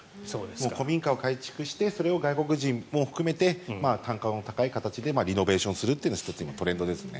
古民家を改築してそれを外国人に向けて単価を安い形でリノベーションするというのが１つのトレンドですね。